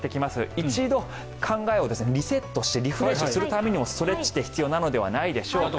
一度、考えをリセットしてリフレッシュするためにもストレッチって必要なのではないでしょうか。